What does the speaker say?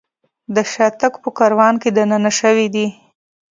د شاتګ په کاروان کې دننه شوي دي.